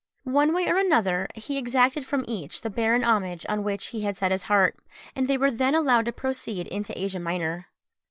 One way or another he exacted from each the barren homage on which he had set his heart, and they were then allowed to proceed into Asia Minor.